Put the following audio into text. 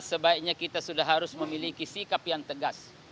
sebaiknya kita sudah harus memiliki sikap yang tegas